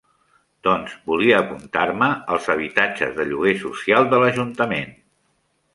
Doncs volia apuntar-me als habitatges de lloguer social de l'ajuntament.